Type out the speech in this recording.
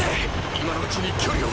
今のうちに距離を。